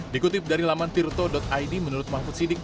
dikutip dari laman tirto id menurut mahfud sidik